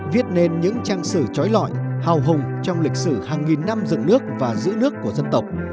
viết nên những trang sử trói lọi hào hùng trong lịch sử hàng nghìn năm dựng nước và giữ nước của dân tộc